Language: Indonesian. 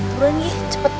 turun ya cepat